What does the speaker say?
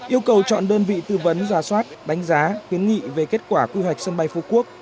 yêu cầu chọn đơn vị tư vấn giả soát đánh giá khuyến nghị về kết quả quy hoạch sân bay phú quốc